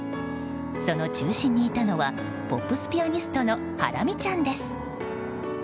その中心にいたのはポップスピアニストのハラミちゃんです。